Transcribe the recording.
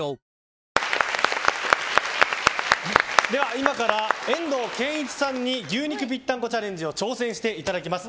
今から遠藤憲一さんに牛肉ぴったんこチャレンジを挑戦していただきます。